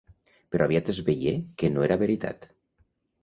Però aviat es veié que no era veritat.